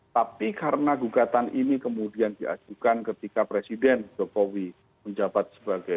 tapi karena gugatan ini kemudian diajukan ketika presiden jokowi menjabat sebagai